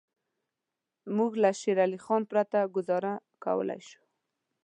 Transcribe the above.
موږ له شېر علي پرته ګوزاره کولای شو.